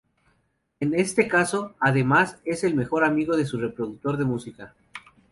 En este caso, además, es el mejor amigo de su reproductor de música.